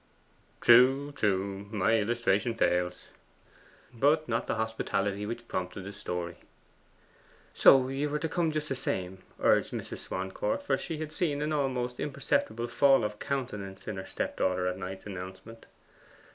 'True, true; my illustration fails.' 'But not the hospitality which prompted the story.' 'So you are to come just the same,' urged Mrs. Swancourt, for she had seen an almost imperceptible fall of countenance in her stepdaughter at Knight's announcement.